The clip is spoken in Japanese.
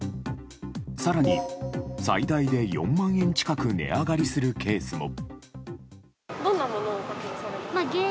更に最大で４万円近く値上がりするケースも。